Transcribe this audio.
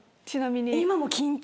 ちなみに。